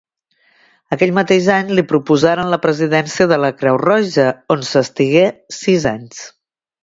Aquell mateix any li proposaren la presidència de la Creu Roja, on s'estigué sis anys.